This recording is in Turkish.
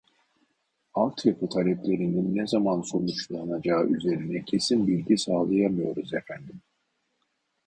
Alt yapı taleplerinin ne zaman sonuçlanacağı üzerine kesin bilgi sağlayamıyoruz efendim